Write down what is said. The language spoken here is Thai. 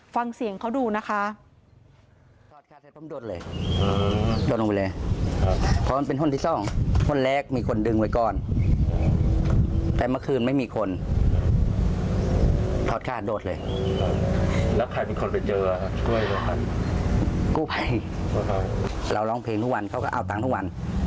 ฟังเสียงเขาดูนะคะ